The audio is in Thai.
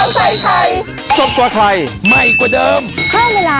ติดต่อติดต่อ